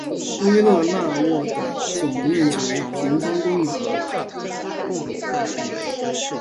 维勒讷沃的总面积为平方公里。